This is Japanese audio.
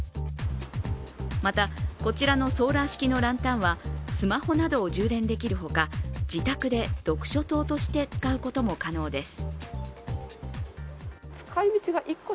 また、こちらのソーラー式のランタンはスマホなどを充電できるほか、自宅で読書灯として使うことも可能です。